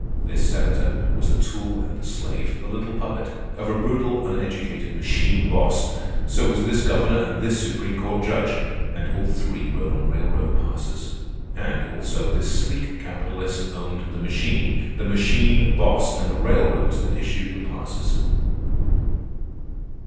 This senator was the tool and the slave, the little puppet, of a brutal uneducated machine boss; so was this governor and this supreme court judge; and all three rode on railroad passes; and, also, this sleek capitalist owned the machine, the machine boss, and the railroads that issued the passes.